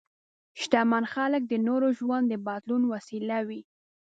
شتمن خلک د نورو ژوند د بدلون وسیله وي.